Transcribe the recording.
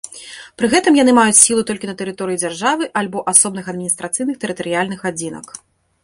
Пры гэтым яны маюць сілу толькі на тэрыторыі дзяржавы, альбо асобных адміністрацыйных тэрытарыяльных адзінак.